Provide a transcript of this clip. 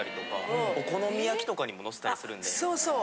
そうそう。